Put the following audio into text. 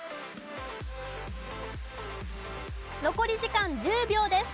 残り時間１０秒です。